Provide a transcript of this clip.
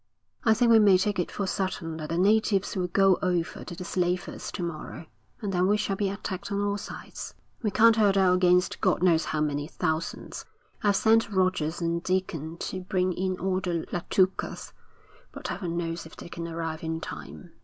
'I think we may take it for certain that the natives will go over to the slavers to morrow, and then we shall be attacked on all sides. We can't hold out against God knows how many thousands. I've sent Rogers and Deacon to bring in all the Latukas, but heaven knows if they can arrive in time.'